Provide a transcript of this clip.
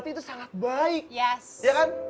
itu sangat baik